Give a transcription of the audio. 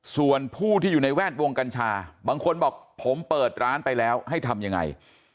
ส่วนผู้ที่อยู่ในแวดวงกัญชาบางคนบอกผมเปิดร้านไปแล้วให้ทำยังไง